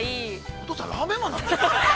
◆お父さん、ラーメンマンなの？